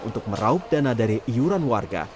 untuk meraup dana dari iuran warga